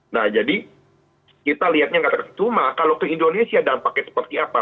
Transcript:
nah jadi kita lihatnya nggak tercuma kalau ke indonesia dampaknya seperti apa